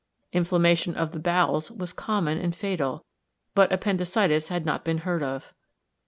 "Inflammation of the bowels" was common and fatal, but "appendicitis" had not been heard of.